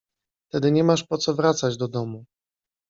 — Tedy nie masz po co wracać do domu!